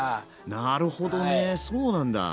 なるほどねそうなんだ。